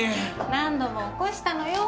何度も起こしたのよ。